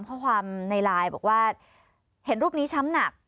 ข้อความในไลน์บอกว่าเห็นรูปนี้ช้ำหนัก